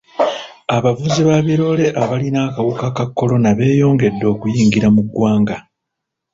Abavuzi ba biroole abalina akawuka ka kolona beeyongedde okuyingira mu ggwanga.